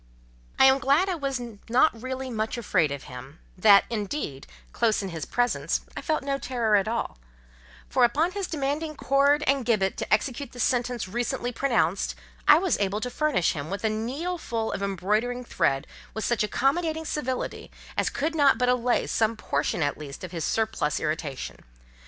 I am glad I was not really much afraid of him—that, indeed, close in his presence, I felt no terror at all; for upon his demanding cord and gibbet to execute the sentence recently pronounced, I was able to furnish him with a needleful of embroidering thread with such accommodating civility as could not but allay some portion at least of his surplus irritation.